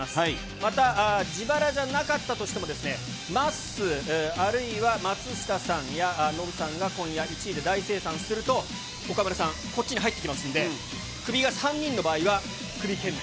また自腹じゃなかったとしてもですね、まっすー、あるいは松下さんやノブさんが、今夜１位で大精算すると、岡村さん、こっちに入ってきますんで、クビが３人の場合はクビ圏外。